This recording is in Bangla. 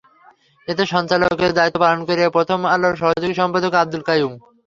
এতে সঞ্চালকের দায়িত্ব পালন করেন প্রথম আলোর সহযোগী সম্পাদক আব্দুল কাইয়ুম।